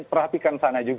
perhatikan sana juga